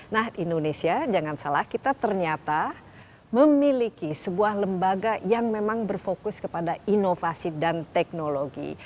nah indonesia jangan salah kita ternyata memiliki sebuah lembaga yang memang berfokus kepada inovasi dan teknologi